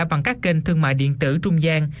bằng các kênh thương mại điện tử trung gian